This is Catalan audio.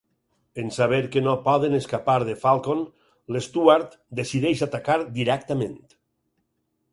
En saber que no poden escapar de Falcon, l'Stuart decideix atacar directament.